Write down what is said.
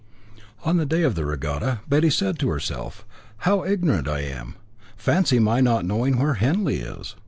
On the day of the regatta Betty said to herself; "How ignorant I am! Fancy my not knowing where Henley is!